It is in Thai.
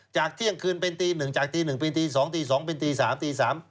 จากเที่ยงคืนเป็นตีหนึ่งจากตีหนึ่งเป็นตีสองตีสองเป็นตีสามตีสาม